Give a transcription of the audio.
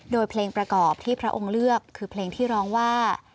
โดยเพลงประกอบที่พระองค์เลือกคือเพลงที่ร้องว่า